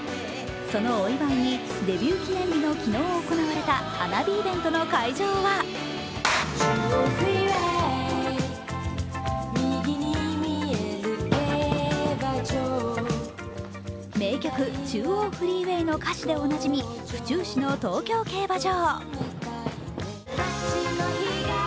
そのお祝いにデビュー記念日に昨日行われた花火イベントの会場は名曲「中央フリーウェイ」の歌詞でおなじみ、府中市の東京競馬場。